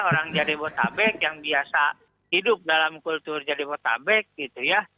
orang jadebotabek yang biasa hidup dalam kultur jadebotabek gitu ya